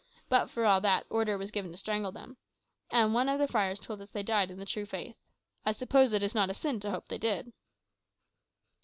But for all that, order was given to strangle them; and one of the friars told us they died in the true faith. I suppose it is not a sin to hope they did."